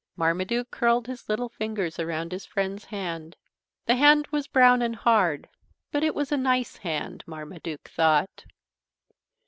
Marmaduke curled his little fingers around his friend's hand. The hand was brown and hard, but it was a nice hand, Marmaduke thought.